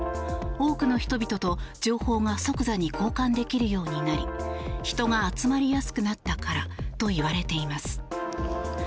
多くの人々と情報が即座に交換できるようになり人が集まりやすくなったからといわれています。